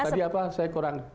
tadi apa saya kurang